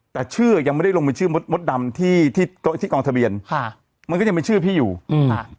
แต่ชื่อยังไม่ได้ลงเป็นชื่อมดมดดำที่ที่กองทะเบียนค่ะมันก็ยังมีชื่อพี่อยู่อืมค่ะ